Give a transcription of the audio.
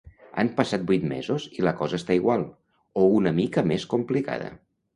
Han passat vuit mesos i la cosa està igual… o una mica més complicada.